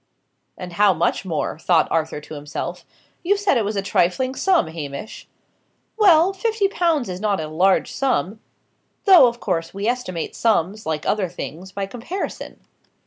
"And how much more?" thought Arthur to himself. "You said it was a trifling sum, Hamish!" "Well, fifty pounds is not a large sum. Though, of course, we estimate sums, like other things, by comparison.